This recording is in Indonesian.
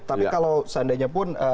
tapi kalau seandainya pun